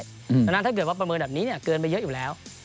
เพราะฉะนั้นถ้าเกิดว่าประเมินแบบนี้เกินไปเยอะอยู่แล้ว